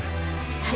はい。